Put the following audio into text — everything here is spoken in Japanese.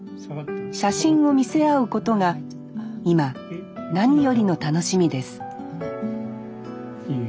写真を見せ合うことが今何よりの楽しみですいいね。